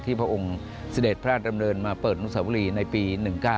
พระองค์เสด็จพระราชดำเนินมาเปิดอนุสาวรีในปี๑๙